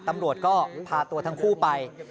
ตำรวจก็พาตัวทั้งคู่ไป